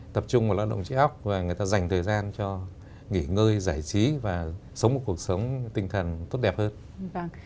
tập trung một lao động trí óc và người ta dành thời gian cho nghỉ ngơi giải trí và sống một cuộc sống tinh thần tốt đẹp hơn